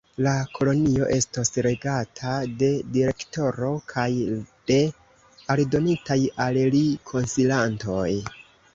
La kolonio estos regata de direktoro kaj de aldonitaj al li konsilanoj.